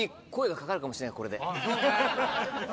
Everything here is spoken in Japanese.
これで。